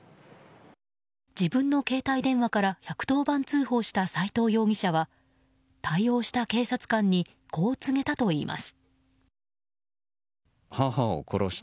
自分の携帯電話から１１０番通報した斉藤容疑者は対応した警察官にこう告げたといいます。